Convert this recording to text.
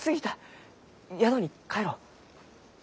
宿に帰ろう。